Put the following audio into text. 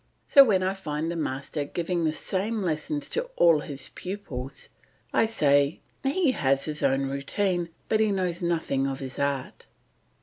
So when I find a master giving the same lessons to all his pupils I say, "He has his own routine, but he knows nothing of his art!"